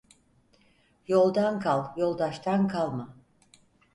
Yoldan kal, yoldaştan kalma.